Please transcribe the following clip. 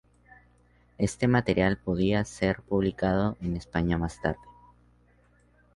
Este material podía ser publicado en España más tarde.